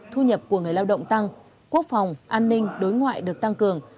thu nhập của người lao động tăng quốc phòng an ninh đối ngoại được tăng cường